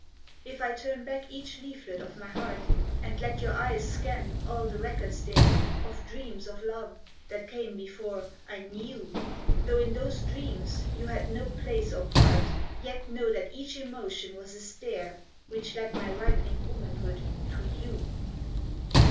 If I turn back each leaflet of my heart, And let your eyes scan all the records there, Of dreams of love that came before I KNEW, Though in those dreams you had no place or part, Yet, know that each emotion was a stair Which led my ripening womanhood to YOU.